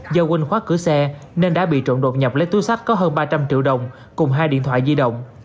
do quân khoát cửa xe nên đã bị trộn đột nhập lấy túi sắt có hơn ba trăm linh triệu đồng cùng hai điện thoại di động